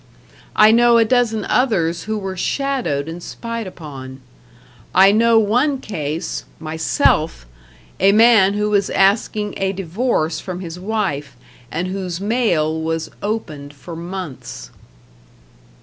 I know a dozen others who were shadowed and spied upon; I know one case myself a man who was asking a divorce from his wife, and whose mail was opened for months.